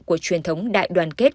của truyền thống đại đoàn kết